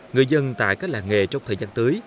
người dân tại các làng nghề trong thời gian tới